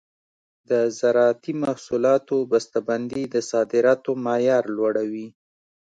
د زراعتي محصولاتو بسته بندي د صادراتو معیار لوړوي.